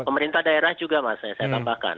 pemerintah daerah juga mas yang saya tambahkan